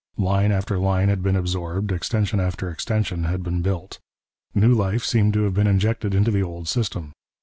Line after line had been absorbed, extension after extension had been built. New life seemed to have been injected into the old system.